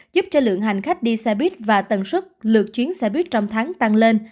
giúp cho lượng hành khách đi xe buýt và tần suất lượt chuyến xe buýt trong tháng tăng lên